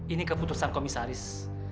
ini keputusan komisaris